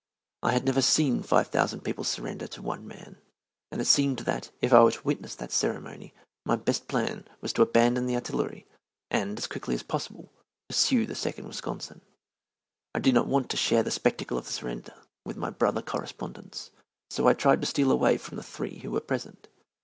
I had never seen five thousand people surrender to one man, and it seemed that, if I were to witness that ceremony, my best plan was to abandon the artillery and, as quickly as possible, pursue the Second Wisconsin. I did not want to share the spectacle of the surrender with my brother correspondents, so I tried to steal away from the three who were present.